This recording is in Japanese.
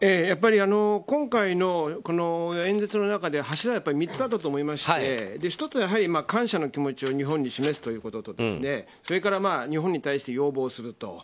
やっぱり、今回の演説の中で柱は３つあったと思いまして１つは感謝の気持ちを日本に示すということとそれから、日本に対して要望すると。